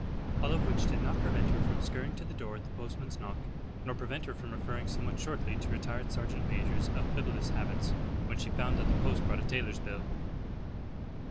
All of which did not prevent her from scurrying to the door at the postman's knock, nor prevent her from referring somewhat shortly to retired sergeant majors of bibulous habits when she found that the post brought a tailor's bill.